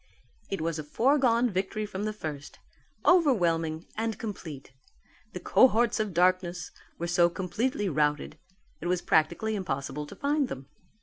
It was a foregone victory from the first overwhelming and complete. The cohorts of darkness were so completely routed that it was practically impossible to find them.